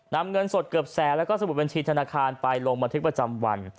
นำเงินสดเกือบแสนแล้วก็สมุดบัญชีธนาคารไปลงบันทึกประจำวัน